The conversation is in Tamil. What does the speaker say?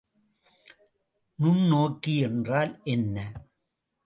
நுண்ணோக்கி என்றால் என்ன?